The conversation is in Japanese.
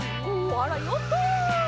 あらヨット！